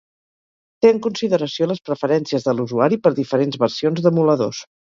Té en consideració les preferències de l'usuari per diferents versions d'emuladors.